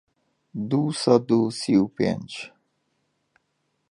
دوو سەد و سی و پێنج